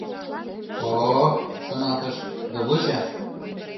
«О-о, — шоналтыш, — добыча!»